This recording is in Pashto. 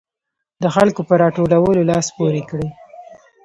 د خلکو په راټولولو لاس پورې کړي.